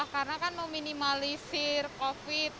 karena kan meminimalisir covid